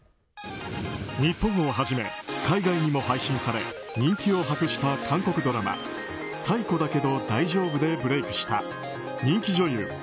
日本をはじめ海外にも配信され人気を博した韓国ドラマ「サイコだけど大丈夫」でブレークした人気女優